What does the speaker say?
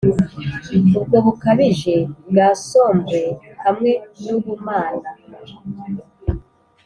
ubwo bukabije bwa sombre hamwe nubumana.